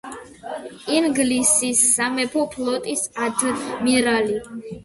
ინგლისის სამეფო ფლოტის ადმირალი.